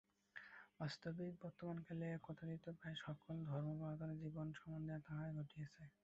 বাস্তবিক বর্তমানকালে তথাকথিত প্রায় সকল ধর্মপ্রবর্তকের জীবন সম্বন্ধে তাহাই ঘটিতেছে।